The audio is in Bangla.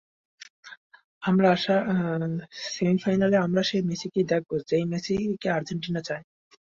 আমার আশা, সেমিফাইনালেও আমরা সেই মেসিকেই দেখব যেই মেসিকে আর্জেন্টিনা চায়।